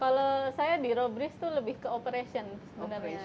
kalau saya di robles itu lebih ke operations sebenarnya